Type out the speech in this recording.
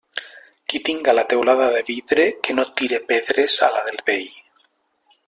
Qui tinga la teulada de vidre, que no tire pedres a la del veí.